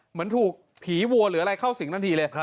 เหมือนถูกผีวัวหรืออะไรเข้าสิงทันทีเลย